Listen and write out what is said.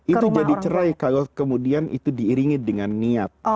itu jadi cerai kalau kemudian itu diiringi dengan niat